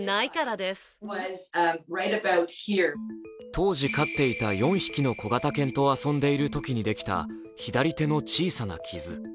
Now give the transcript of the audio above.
当時飼っていた４匹の小型犬と遊んでいるときにできた左手の小さな傷。